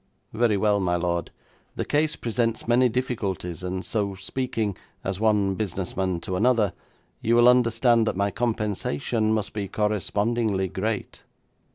'Very well, my lord, the case presents many difficulties, and so, speaking as one business man to another, you will understand that my compensation must be correspondingly great.'